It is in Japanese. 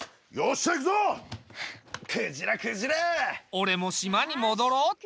俺も島に戻ろうっと。